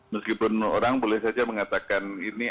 meskipun orang boleh saja mengatakan ini